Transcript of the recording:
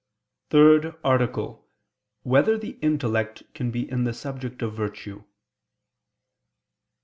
56, Art. 3] Whether the Intellect Can Be the Subject of Virtue?